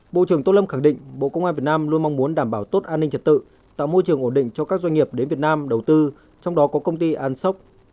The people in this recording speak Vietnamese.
bộ trưởng tô lâm khẳng định bộ công an việt nam luôn mong muốn đảm bảo tốt an ninh trật tự tạo môi trường ổn định cho các doanh nghiệp đến việt nam đầu tư trong đó có công ty an sốc